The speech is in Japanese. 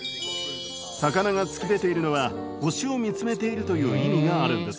魚が突き出ているのは星をみつめているという意味があるんです。